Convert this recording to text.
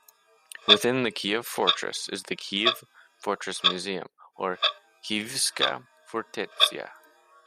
Within the Kiev Fortress is the Kyiv Fortress Museum, or Kyivska Fortetsya.